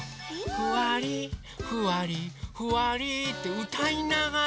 「ふわりふわりふわり」ってうたいながらふいてるんだって。